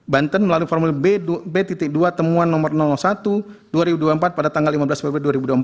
banten melalui formulir b dua temuan nomor satu dua ribu dua puluh empat pada tanggal lima belas februari dua ribu dua puluh empat